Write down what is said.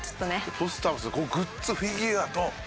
ポスターもですけどグッズフィギュアと。